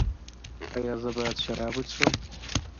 ایا زه باید شراب وڅښم؟